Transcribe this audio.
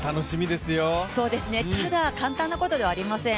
ただ簡単なことではありません。